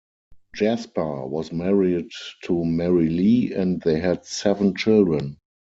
Jasper was married to Mary Lee and they had seven children.